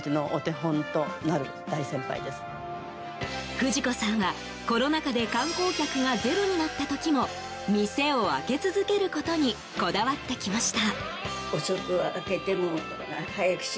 不二子さんは、コロナ禍で観光客がゼロになった時も店を開け続けることにこだわってきました。